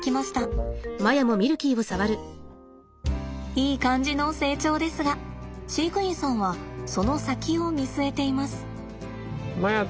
いい感じの成長ですが飼育員さんはその先を見据えています。